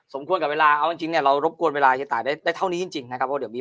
ควรกับเวลาเอาจริงเนี่ยเรารบกวนเวลาเฮียตายได้เท่านี้จริงนะครับเพราะเดี๋ยวมี